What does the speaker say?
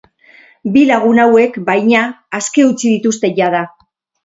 Bi lagun hauek, baina, aske utzi dituzte jada.